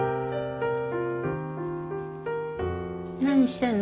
何してんの？